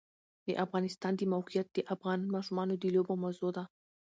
د افغانستان د موقعیت د افغان ماشومانو د لوبو موضوع ده.